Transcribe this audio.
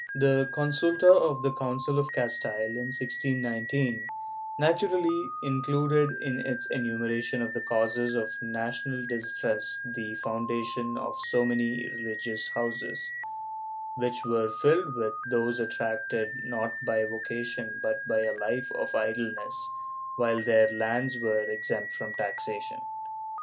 ^ The consulta of the Council of Castile, in 1619, naturally included in its enumeration of the causes of national distress the foundation of so many religious houses, which were filled with those attracted, not by vocation but by a life of idleness, while their lands were exempt from taxation.